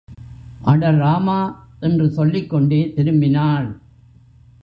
அட ராமா! என்று சொல்லிக்கொண்டே திரும்பினாள்.